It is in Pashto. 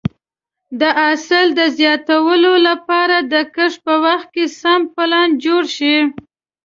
د حاصل د زیاتوالي لپاره د کښت په وخت سم پلان جوړ شي.